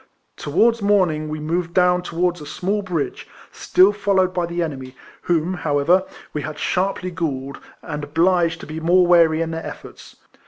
Towards morning we moved down towards a small bridge, still folloAved by the enemy, whom, however, we had sharply galled, and obliged to be more wary in their efforts.